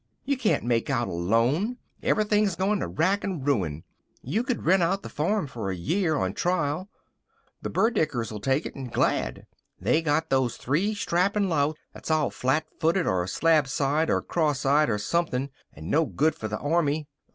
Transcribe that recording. You can't make out alone. Everything's goin' to rack and ruin. You could rent out the farm for a year, on trial. The Burdickers'd take it, and glad. They got those three strappin' louts that's all flat footed or slab sided or cross eyed or somethin', and no good for the army.